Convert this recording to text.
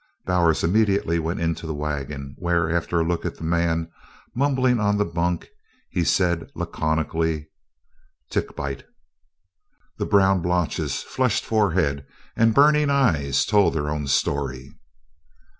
Bowers immediately went into the wagon, where, after a look at the man mumbling on the bunk, he said laconically: "Tick bite." The brown blotches, flushed forehead, and burning eyes told their own story.